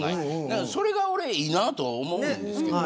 それが俺、いいなと思うんですけど。